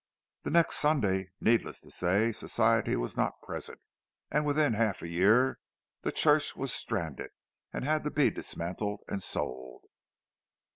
The next Sunday, needless to say, Society was not present; and within half a year the church was stranded, and had to be dismantled and sold!